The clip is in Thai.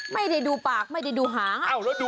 ไม่ได้ดูปากไม่ได้ดูหาง